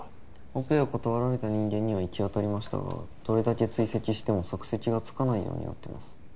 オペを断られた人間には行き当たりましたがどれだけ追跡しても足跡がつかないようになってます